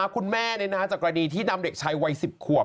คุณแม่จากกรณีที่นำเด็กชายวัย๑๐ขวบ